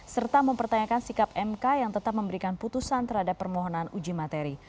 serta mempertanyakan sikap mk yang tetap memberikan putusan terhadap permohonan uji materi